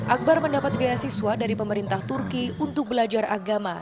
akbar mendapat beasiswa dari pemerintah turki untuk belajar agama